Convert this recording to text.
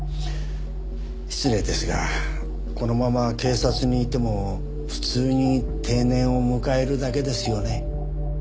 失礼ですがこのまま警察にいても普通に定年を迎えるだけですよね。